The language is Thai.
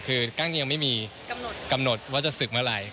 คือกั้งยังไม่มีกำหนดว่าจะศึกเมื่อไหร่